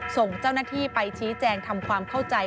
ส่งเจ้าหน้าที่ไปชี้แจงทำความเข้าใจ